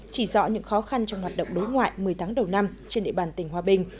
chỉ rõ những khó khăn trong hoạt động đối ngoại một mươi tháng đầu năm trên địa bàn tỉnh hòa bình